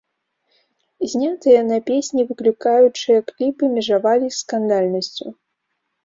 Знятыя на песні выклікаючыя кліпы межавалі з скандальнасцю.